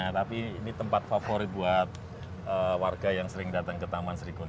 tapi ini tempat favorit buat warga yang sering datang ke taman sri gun